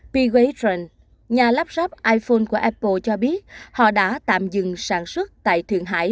p gatron nhà lắp ráp iphone của apple cho biết họ đã tạm dừng sản xuất tại thượng hải